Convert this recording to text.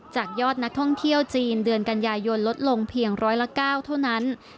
จากยอดนักท่องเที่ยวจีน